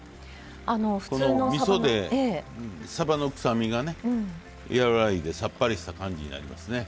みそで、さばの臭みが和らいでさっぱりした感じになりますね。